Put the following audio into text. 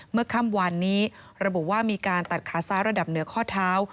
เมื่อค่ำวานนี้ระบุว่ามีการตัดขาซ้ายระดับเหนือข้อเท้า